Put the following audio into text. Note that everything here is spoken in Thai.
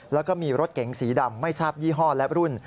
แล้วก็มีรถเก๋งสีดำไม่ทราบยี่ห้อและรุ่น